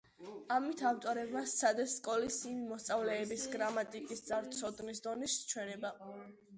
ამით ავტორებმა სცადეს სკოლის იმ მოსწავლეების გრამატიკის არცოდნის დონის ჩვენება.